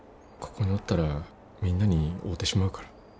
ここにおったらみんなに会うてしまうから。